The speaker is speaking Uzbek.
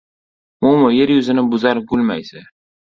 Momo yer yuzini bezar gul, maysa